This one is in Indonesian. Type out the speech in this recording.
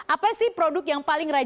apa sih produk yang paling rajin